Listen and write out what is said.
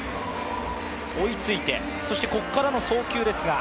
追いついてここからの送球ですが。